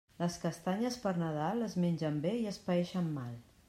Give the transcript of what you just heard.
Les castanyes per Nadal es mengen bé i es paeixen mal.